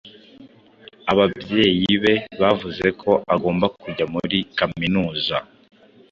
Ababyeyi be bavuze ko agomba kujya muri kaminuza.